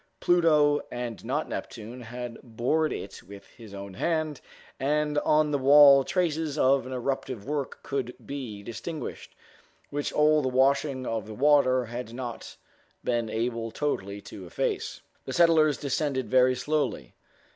Pluto and not Neptune had bored it with his own hand, and on the wall traces of an eruptive work could be distinguished, which all the washing of the water had not been able totally to efface. The settlers descended very slowly.